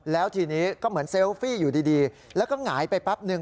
แล้วทีนี้ก็เหมือนเซลฟี่อยู่ดีแล้วก็หงายไปแป๊บนึง